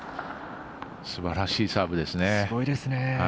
すばらしいサーブですね。